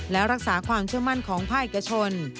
และรักษาความเชื่อมั่นของภาคเอกชน